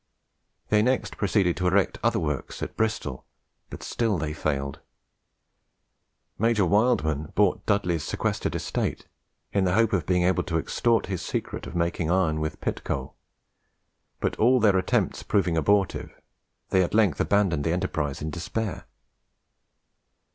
They next proceeded to erect other works at Bristol, but still they failed. Major Wildman bought Dudley's sequestrated estate, in the hope of being able to extort his secret of making iron with pit coal; but all their attempts proving abortive, they at length abandoned the enterprise in despair.